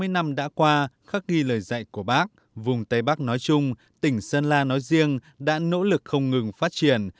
sáu mươi năm đã qua khắc ghi lời dạy của bác vùng tây bắc nói chung tỉnh sơn la nói riêng đã nỗ lực không ngừng phát triển